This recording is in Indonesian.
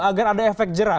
agar ada efek jerak